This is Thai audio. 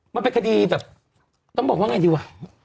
มันเป็นคดีแบบต้องบอกว่าไงดีวะ